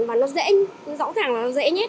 và nó dễ rõ ràng là dễ nhét